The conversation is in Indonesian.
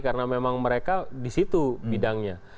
karena memang mereka di situ bidangnya